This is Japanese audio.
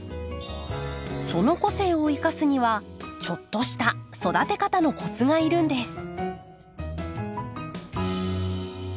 その個性を生かすにはちょっとした育て方のコツがいるんです。